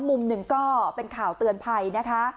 มุมหนึ่งก็เป็นข่าวเตือนภัยนะคะ